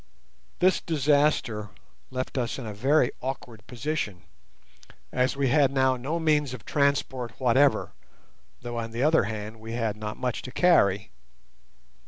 This disaster left us in a very awkward position, as we had now no means of transport whatever, though on the other hand we had not much to carry.